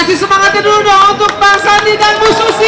kasih semangatnya dulu dong untuk bang sandi dan bu susi